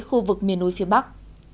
khu vực miền núi phía bắc